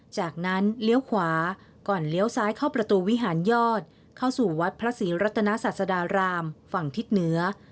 จากนั้นเลี้ยวขวาก่อนเลี้ยวซ้ายเข้าประตูวิหารยอดเข้าสู่วัดพระศรีรัตนาศาสดารามฝั่งทิศเหนือ